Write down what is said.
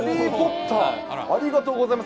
ありがとうございます。